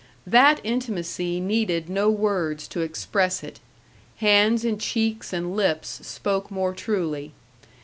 That intimacy needed no words to express it; hands and cheeks and lips spoke more truly.